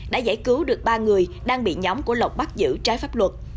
đã giải cứu được ba người đang bị nhóm của lộc bắt giữ trái pháp luật